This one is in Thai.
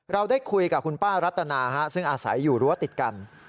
เราได้คุยกับคุณป้ารัตนาซึ่งอาศัยอยู่รั้วติดกัน